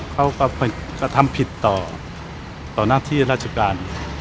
เขาก็ทำผิดต่อหน้าที่ราชการ